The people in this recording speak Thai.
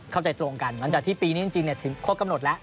เข้าใจตรงกันหลังจากที่ปีนี้จริงถึงครบกำหนดแล้ว